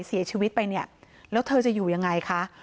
เสียชีวิตไปเนี่ยแล้วเธอจะอยู่ยังไงคะ